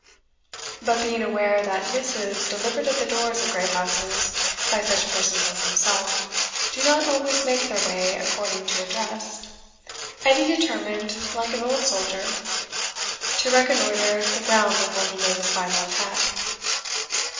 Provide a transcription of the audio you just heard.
But being aware that missives delivered at the doors of great houses by such persons as himself, do not always make their way according to address, Edie determined, like an old soldier, to reconnoitre the ground before he made his final attack.